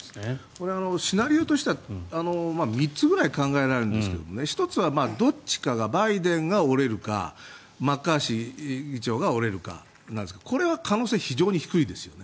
これ、シナリオとしては３つぐらい考えられるんですが１つはどっちかがバイデンが折れるかマッカーシー議長が折れるかなんですがこれは可能性、非常に低いですよね。